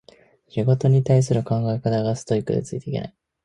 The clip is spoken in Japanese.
仕事に対する考え方がストイックでついていけない